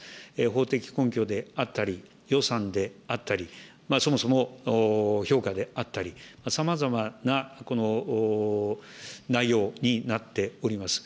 法的根拠であったり、予算であったり、そもそも評価であったり、さまざまな内容になっております。